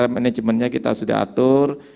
manajemennya kita sudah atur